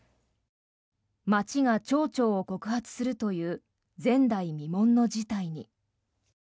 町が町長を告発するという前代未聞の事態に。